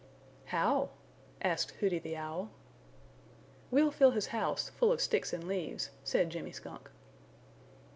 "How?" asked Hooty the Owl. "We'll fill his house full of sticks and leaves," said Jimmy Skunk.